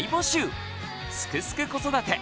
「すくすく子育て」